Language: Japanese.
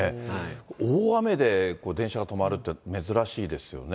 大雨で電車が止まるって珍しいですよね。